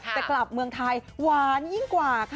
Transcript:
แต่กลับเมืองไทยหวานยิ่งกว่าค่ะ